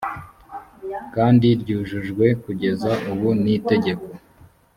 kandi ryujujwe kugeza ubu n itegeko